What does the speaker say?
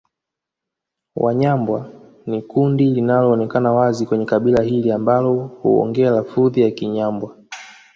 Wanyambwa ni kundi linaloonekana wazi kwenye kabila hili ambao huongea lafudhi ya Kinyambwa